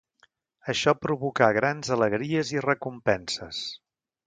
Això provocà grans alegries i recompenses.